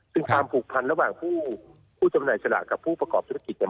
ซึ่งความผูกพันระหว่างผู้จำหน่ายสลากกับผู้ประกอบธุรกิจเนี่ย